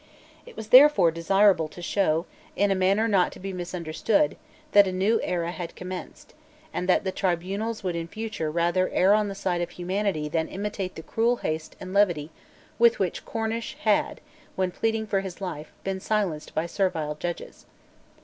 It was therefore desirable to show, in a manner not to be misunderstood, that a new era had commenced, and that the tribunals would in future rather err on the side of humanity than imitate the cruel haste and levity with which Cornish had, when pleading for his life, been silenced by servile judges.